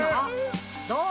どう？